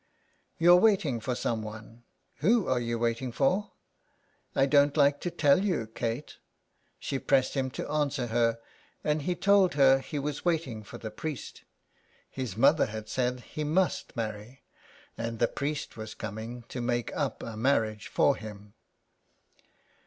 You're waiting for someone. Who are you waiting for ?"'' I don't like to tell you, Kate. " She pressed him to answer her, and he told her he was waiting for the priest. His mother had said he must marry, and the priest was coming to make up a marriage for him.